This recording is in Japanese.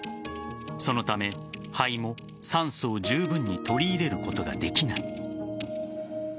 そのため肺も酸素をじゅうぶんに取り入れることができない。